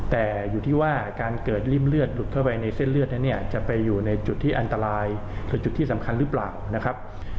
แต่อยู่ที่ว่าการเกิดริ่มเลือดหลุดเข้าไปในเส้นเลือดนั้นเนี่ยจะไปอยู่ในจุดที่อันตรายหรือจุดที่สำคัญหรือเปล่านะครับ